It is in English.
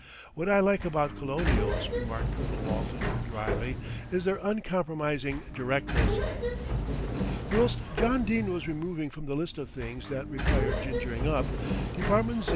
"What I like about colonials," remarked Colonel Walton drily, "is their uncompromising directness." Whilst John Dene was removing, from the list of things that required gingering up, Department Z.